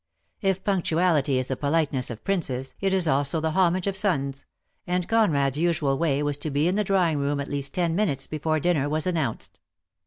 If punctuality is the politeness of Princes it is also the homage of sons, and Conrad's usual way was to be in the drawing room at least ten minutes before dinner was announced.